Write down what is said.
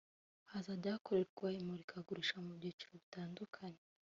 Hazajya hakorerwa imurikagurisha mu byiciro bitandukanye